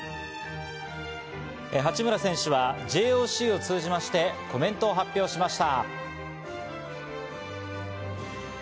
八村選手はＪＯＣを通じましてコメントを発表しました。